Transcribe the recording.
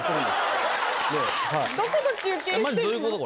どこと中継してるの？